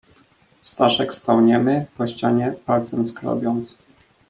"Staszek stał niemy, po ścianie palcem skrobiąc."